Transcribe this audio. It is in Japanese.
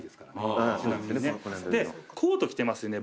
コート着てますよね。